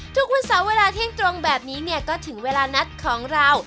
ทุกวันเสาร์เวลาเที่ยงตรงแบบนี้เนี่ยก็ถึงเวลานัดของเรา